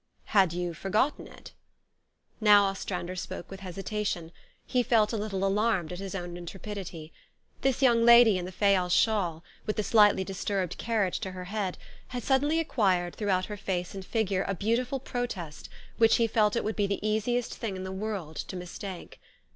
" Had you forgotten it? " Now Ostrander spoke with hesitation : he felt a little alarmed at his own intrepidity. This young lad} r in the Fayal shawl, with the slightly disturbed carriage to her head, had suddenly acquired through out her face and figure a beautiful protest, which he felt it would be the easiest thing in the world to mistake.